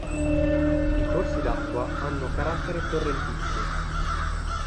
I corsi d'acqua hanno carattere torrentizio.